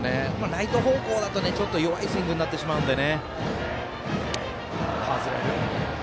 ライト方向だと、弱いスイングになってしまうので。